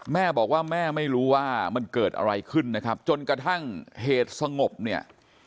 แม่บอกว่าแม่ไม่รู้ว่ามันเกิดอะไรขึ้นนะครับจนกระทั่งเหตุสงบเนี่ย